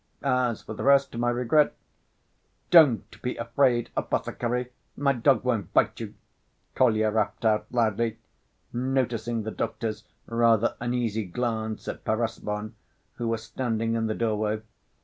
As for the rest, to my regret—" "Don't be afraid, apothecary, my dog won't bite you," Kolya rapped out loudly, noticing the doctor's rather uneasy glance at Perezvon, who was standing in the doorway.